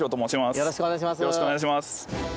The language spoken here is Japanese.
よろしくお願いします。